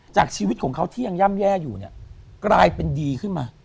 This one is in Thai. จากชีวิตของเขาที่ยังย่ำแย่อยู่เนี่ยกลายเป็นดีขึ้นมา